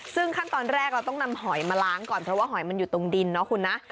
ซึ่งขั้นตอนแรกเราต้องนำหอยมาล้างก่อนเพราะว่าหอยมันอยู่ตรงดินเนาะคุณนะ